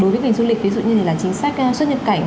đối với kinh doanh du lịch ví dụ như là chính sách xuất nhập cảnh